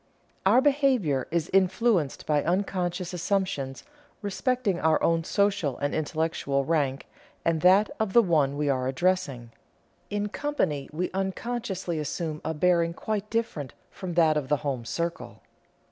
"Our behavior is influenced by unconscious assumptions respecting our own social and intellectual rank, and that of the one we are addressing. In company we unconsciously assume a bearing quite different from that of the home circle.